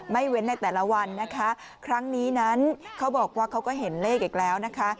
เว้นในแต่ละวันนะคะครั้งนี้นั้นเขาบอกว่าเขาก็เห็นเลขอีกแล้วนะคะ